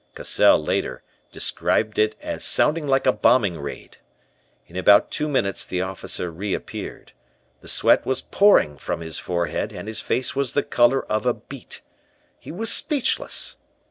Cassell, later, described it as sounding like a bombing raid. In about two minutes the officer reappeared. The sweat was pouring from his forehead, and his face was the color of a beet. He was speechless.